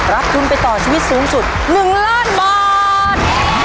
รับทุนไปต่อชีวิตสูงสุด๑ล้านบาท